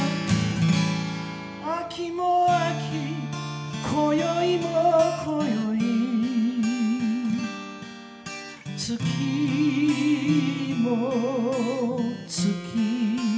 「秋も秋今宵も今宵月も月」